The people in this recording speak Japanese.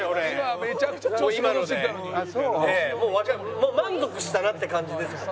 もう満足したなって感じです。